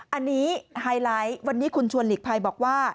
อันนี้ไฮไลท์วันนี้คุณชวนหลีกภัยบอกว่า